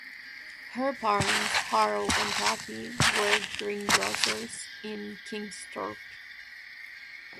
Her parents, Harold and Kathy, were greengrocers in Kingsthorpe.